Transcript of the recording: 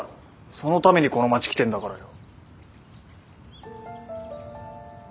そのためにこの町来てんだからよ。